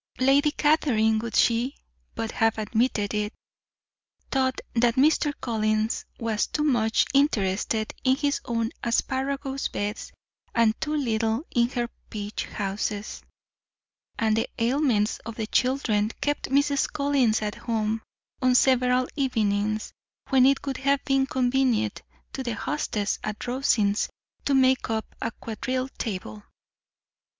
Lady Catherine, would she but have admitted it, thought that Mr. Collins was too much interested in his own asparagus beds and too little in her peach houses; and the ailments of the children kept Mrs. Collins at home on several evenings when it would have been convenient to the hostess at Rosings to make up a quadrille table.